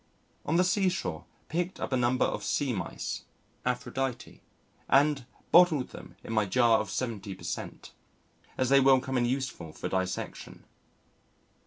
On the sea shore picked up a number of Sea Mice (Aphrodite) and bottled them in my jar of 70 per cent., as they will come in useful for dissection.